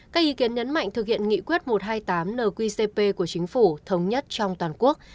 các ý kiến nhấn mạnh thực hiện nghị quyết một trăm hai mươi tám nqcp của chính phủ thống nhất trong toàn quốc